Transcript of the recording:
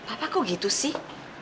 apa kok gitu sih